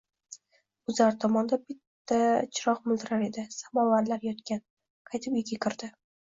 Guzar tomonda faqat bitta chiroq miltillar edi. Samovarlar yotgan. Qaytib uyga kirdi.